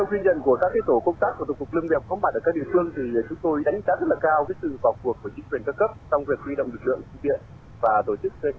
vâng xin ông cho khán giả biết thêm về sự phối hợp vào cuộc giữa các ngành hiện nay ra sao